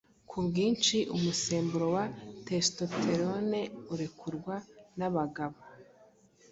ku bwinshi. Umusemburo wa testosterone urekurwa n’abagabo